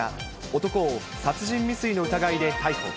男を殺人未遂の疑いで逮捕。